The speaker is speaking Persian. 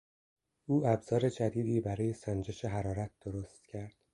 او ابزار جدیدی برای سنجش حرارت درست کرد.